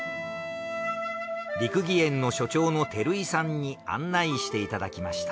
『六義園』の所長の照井さんに案内していただきました。